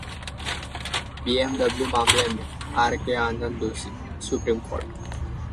BMW मामले में आर के आनंद दोषीः सुप्रीम कोर्ट